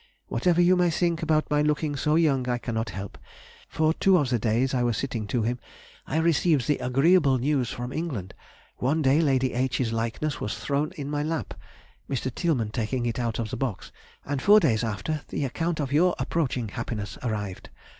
Whatever you may think about my looking so young, I cannot help; for two of the days I was sitting to him, I received the agreeable news from England—one day Lady H.'s likeness was thrown in my lap (Mr. Tielemann taking it out of the box), and four days after, the account of your approaching happiness arrived.